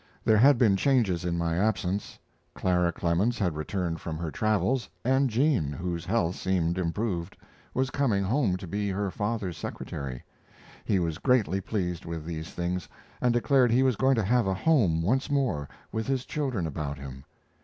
There had been changes in my absence. Clara Clemens had returned from her travels, and Jean, whose health seemed improved, was coming home to be her father's secretary. He was greatly pleased with these things, and declared he was going to have a home once more with his children about him.